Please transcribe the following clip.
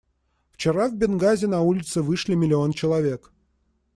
Вчера в Бенгази на улицы вышли миллион человек.